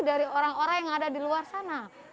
dari orang orang yang ada di luar sana